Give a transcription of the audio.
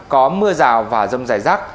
có mưa rào và rông dài rác